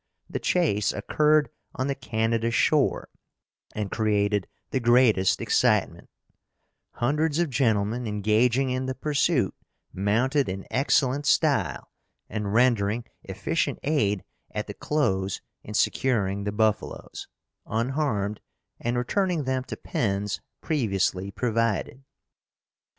The chase occurred on the Canada shore, and created the greatest excitement; hundreds of gentlemen engaging in the pursuit, mounted in excellent style, and rendering efficient aid at the close in securing the buffalos, unharmed, and returning them to pens previously provided.